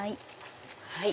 はい。